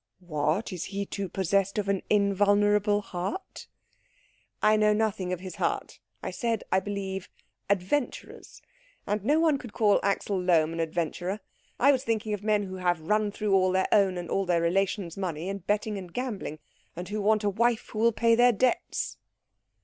"What, is he too possessed of an invulnerable heart?" "I know nothing of his heart. I said, I believe, adventurers. And no one could call Axel Lohm an adventurer. I was thinking of men who have run through all their own and all their relations' money in betting and gambling, and who want a wife who will pay their debts."